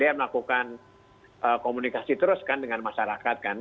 dia melakukan komunikasi terus kan dengan masyarakat kan